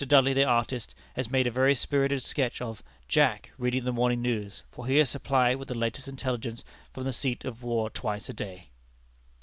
Dudley, the artist, has made a very spirited sketch of 'Jack' reading the morning news, for he is supplied with the latest intelligence from the seat of war twice a day!